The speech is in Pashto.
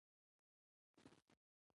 دا د ولس حق دی.